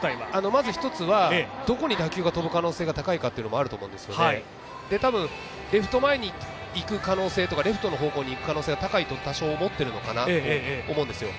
まず１つは、どこに打球が飛ぶ可能性が高いかというのもあるかと思いますので、たぶんレフト前に行く可能性とか、レフトに行く可能性が高いと多少思っているのかなと思うんですよ。